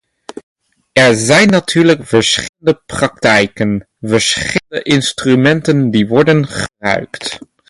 Er zijn natuurlijk verschillende praktijken, verschillende instrumenten die worden gebruikt.